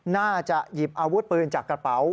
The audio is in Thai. น่าจะหยิบอาวุธปืนจากกระเป๋า